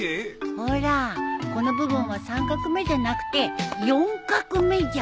ほらこの部分は３画目じゃなくて４画目じゃん。